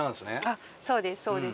あっそうですそうです。